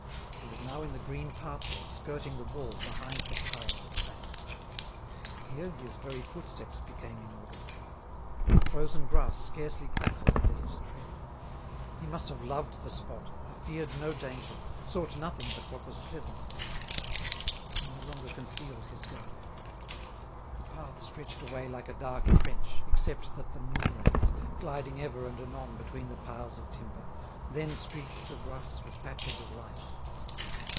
He was now in the green pathway skirting the wall behind the piles of planks. Here his very footsteps became inaudible; the frozen grass scarcely crackled under his tread. He must have loved the spot, have feared no danger, sought nothing but what was pleasant there. He no longer concealed his gun. The path stretched away like a dark trench, except that the moonrays, gliding ever and anon between the piles of timber, then streaked the grass with patches of light.